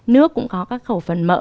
nước cũng có các khẩu phần mỡ